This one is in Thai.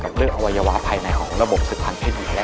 ในเรื่องด้านวัยวะภายในของระบบศึกษาทห์อธิบายศาล